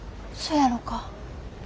そやろか？